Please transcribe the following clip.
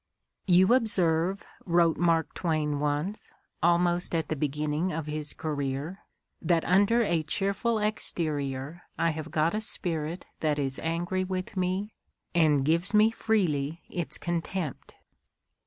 ' You observe, '' wrote Mark Twain once, almost at the beginning of his career, "that under i a cheerful exterior I have got a spirit that is angry with I me and gives me freely its contempt."